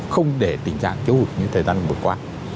không để tình trạng thiếu hụt như thời gian vừa qua